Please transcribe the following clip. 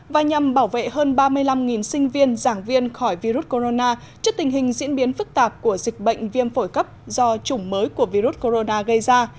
và nhằm bảo vệ hơn ba mươi năm sinh viên giảng viên khỏi virus corona trước tình hình diễn biến phức tạp của dịch bệnh viêm phổi cấp do chủng mới của virus corona gây ra